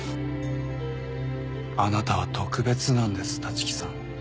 あなたは特別なんです立木さん。